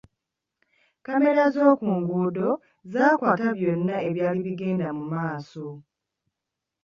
Kkamera z'oku nguudo zaakwata byonna ebyali bigenda mu maaso.